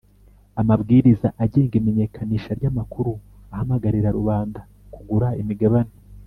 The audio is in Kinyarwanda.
Amabwiriza agenga imenyekanisha ry amakuru ahamagarira rubanda kugura imigabane